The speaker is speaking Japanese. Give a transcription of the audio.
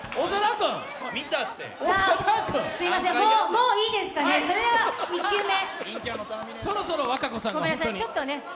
もういいですかね、それでは１球目。